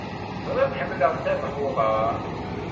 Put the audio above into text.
Zgiɣ ḥemmleɣ ddabex uḍaṛ.